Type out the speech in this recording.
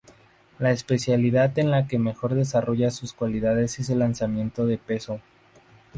La especialidad en la que mejor desarrolla sus cualidades es el lanzamiento de peso.